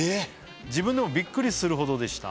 「自分でもビックリするほどでした」